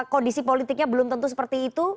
kondisi politiknya belum tentu seperti itu